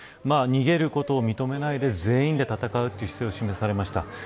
逃げることを認めないで全員で戦うという姿勢を示されました。